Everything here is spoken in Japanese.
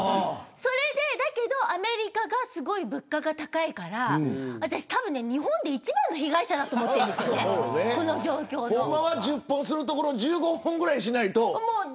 だけどアメリカがすごい物価が高いからたぶん日本で一番の被害者だと思ってるんです、この状況の。ほんまは１０本するところ１５本ぐらいしないと。